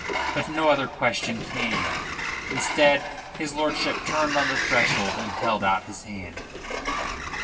But no other question came. Instead his lordship turned on the threshold and held out his hand.